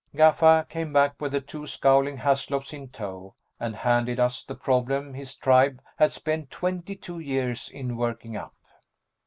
Gaffa came back with the two scowling Haslops in tow and handed us the problem his tribe had spent twenty two years in working up.